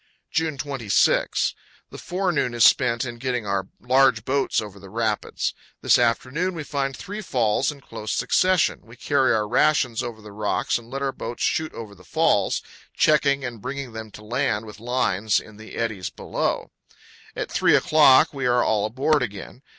June 26. The forenoon is spent in getting our large boats over the rapids. This afternoon we find three falls in close succession. We carry our rations over the rocks and let our boats shoot over the falls, checking and bringing them to land with lines in the eddies below. At three o'clock we are all aboard again.